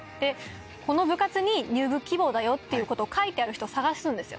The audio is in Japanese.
この部活に入部希望だよっていうことを書いてある人を探すんですよ